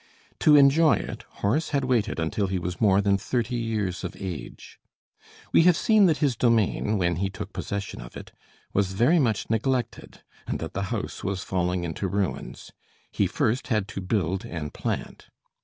To enjoy it, Horace had waited until he was more than thirty years of age. We have seen that his domain, when he took possession of it, was very much neglected, and that the house was falling into ruins. He first had to build and plant.